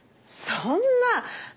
そんな！